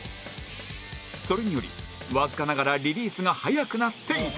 それによりわずかながらリリースが速くなっていた